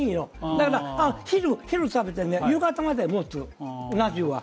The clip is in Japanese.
だから、昼食べて夕方までもつ、うな重は。